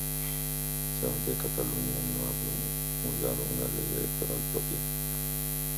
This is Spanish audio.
Solamente Cataluña no ha promulgado una ley electoral propia.